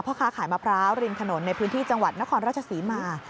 ค้าขายมะพร้าวริมถนนในพื้นที่จังหวัดนครราชศรีมา